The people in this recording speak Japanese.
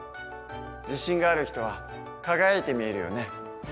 自信がある人は輝いて見えるよね。